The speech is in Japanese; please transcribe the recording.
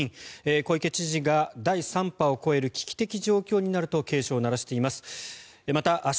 小池知事が第３波を超える危機的状況になると警鐘を鳴らしています。